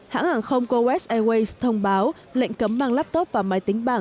hãng hàng không coes airways thông báo lệnh cấm mang laptop và máy tính bảng